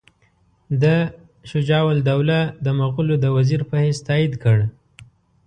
ده شجاع الدوله د مغولو د وزیر په حیث تایید کړ.